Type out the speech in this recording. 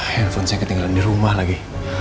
telepon saya ketinggalan di rumah lagi